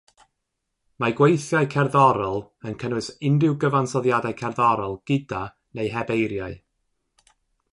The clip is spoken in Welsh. Mae gweithiau cerddorol yn cynnwys unrhyw gyfansoddiadau cerddorol gyda neu heb eiriau.